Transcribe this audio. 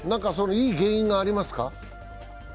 いい原因がありますか？